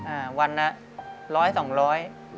อ่าวันละร้อยสองร้อย